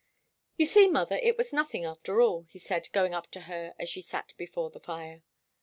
"You see, mother, it was nothing, after all," he said, going up to her as she sat before the fire.